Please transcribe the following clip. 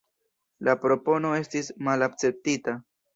La propono estis malakceptita.